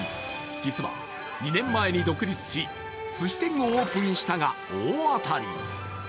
実は２年前に独立し、すし店をオープンしたが、大当たり。